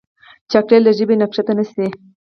چاکلېټ له ژبې نه کښته نه شي.